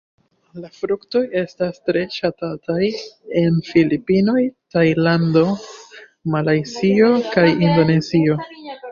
La fruktoj estas tre ŝatataj en Filipinoj, Tajlando, Malajzio kaj Indonezio.